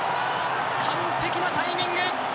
完璧なタイミング！